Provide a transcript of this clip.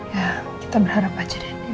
ya kita berharap aja deh